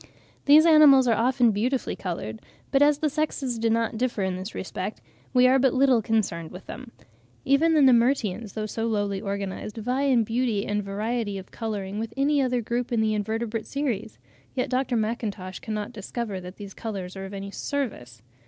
These animals are often beautifully coloured, but as the sexes do not differ in this respect, we are but little concerned with them. Even the Nemertians, though so lowly organised, "vie in beauty and variety of colouring with any other group in the invertebrate series"; yet Dr. McIntosh (6. See his beautiful monograph on 'British Annelids,' part i. 1873, p. 3.) cannot discover that these colours are of any service.